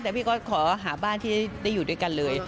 แต่พี่ก็ขอหาบ้านที่ได้อยู่ด้วยกันเลย